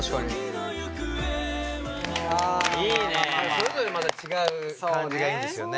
それぞれまた違う感じがいいんですよね。